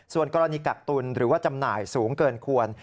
ส่วนกรณีกักตุลหรือว่าจำหน่ายสูงเกินควร